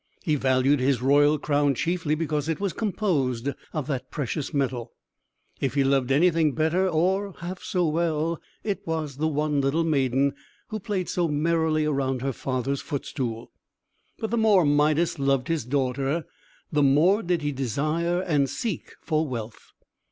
He valued his royal crown chiefly because it was composed of that precious metal. If he loved anything better, or half so well, it was the one little maiden who played so merrily around her father's footstool. But the more Midas loved his daughter, the more did he desire and seek for wealth.